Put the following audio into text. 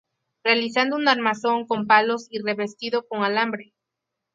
Realizando una armazón con palos y revestido con alambre.